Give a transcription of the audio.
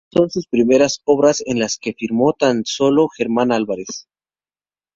Estas, son sus primeras obras en las que firmó tan sólo Germán Álvarez.